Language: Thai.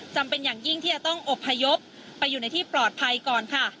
เป็นอย่างยิ่งที่จะต้องอบพยพไปอยู่ในที่ปลอดภัยก่อนค่ะ